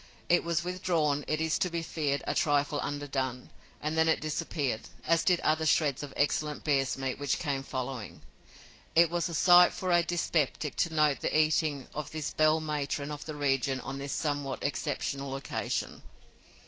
It was withdrawn, it is to be feared, a trifle underdone, and then it disappeared, as did other shreds of excellent bear's meat which came following. It was a sight for a dyspeptic to note the eating of this belle matron of the region on this somewhat exceptional occasion.